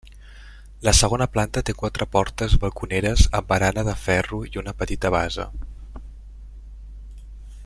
La segona planta té quatre portes balconeres amb barana de ferro i una petita base.